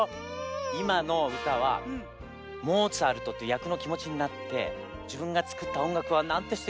いまのうたはモーツァルトっていうやくのきもちになってじぶんがつくったおんがくはなんてすてきなんだろう。